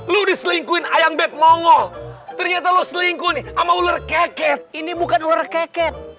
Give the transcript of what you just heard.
lu diselingkuhin ayam beb mongol ternyata lu selingkuh sama ular keket ini bukan ular keket